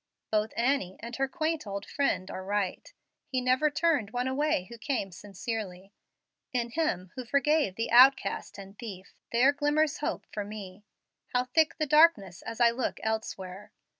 Both Annie and her quaint old friend are right. He never turned one away who came sincerely. In Him who forgave the outcast and thief there glimmers hope for me. How thick the darkness as I look elsewhere.